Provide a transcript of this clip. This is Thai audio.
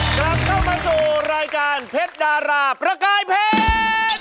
กลับเข้ามาสู่รายการเพชรดาราประกายเพชร